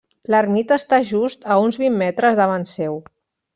L'ermita està just a uns vint metres davant seu.